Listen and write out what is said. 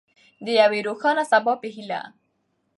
د یوې روښانه سبا په هیله.